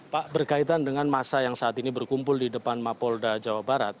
pak berkaitan dengan masa yang saat ini berkumpul di depan mapolda jawa barat